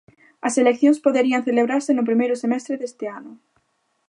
As eleccións poderían celebrarse no primeiro semestre deste ano.